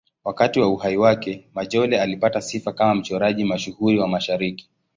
Wakati wa uhai wake, Majolle alipata sifa kama mchoraji mashuhuri wa Mashariki.